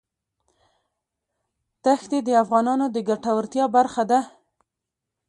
ښتې د افغانانو د ګټورتیا برخه ده.